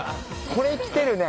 これ、きてるね。